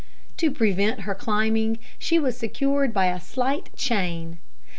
To prevent her climbing, she was secured by a slight chain.